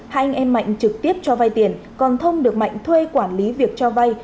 hai anh em mạnh trực tiếp cho vay tiền còn thông được mạnh thuê quản lý việc cho vay